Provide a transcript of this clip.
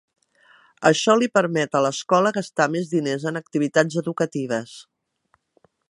Això li permet a l'escola gastar més diners en activitats educatives.